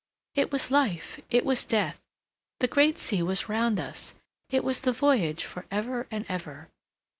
It was life, it was death. The great sea was round us. It was the voyage for ever and ever."